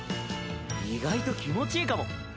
意外と気持ちいいかも。